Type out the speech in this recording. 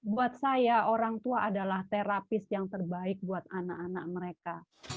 buat saya orang tua adalah terapis yang terbaik buat anak anak mereka